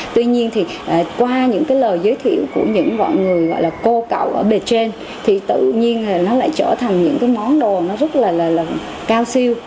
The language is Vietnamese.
tuy nhiên thì qua những cái lời giới thiệu của những mọi người gọi là cô cậu ở bệt trên thì tự nhiên nó lại trở thành những cái món đồ nó rất là cao siêu